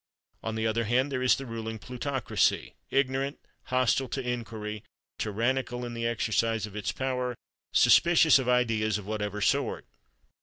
On the other hand there is the ruling plutocracy—ignorant, hostile to inquiry, tyrannical in the exercise of its power, suspicious of ideas of whatever sort.